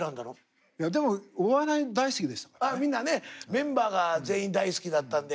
メンバーが全員大好きだったんで。